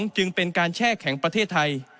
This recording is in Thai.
จึงเป็นการแช่แข็งประเทศไทย